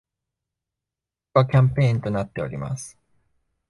豪華キャンペーンとなっております